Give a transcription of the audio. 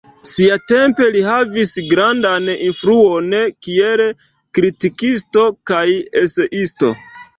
Siatempe li havis grandan influon kiel kritikisto kaj eseisto.